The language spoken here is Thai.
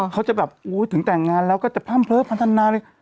เขาจะแบบถึงแต่งงานแล้วก็จะพร่ำเลิฟพันธนาเลย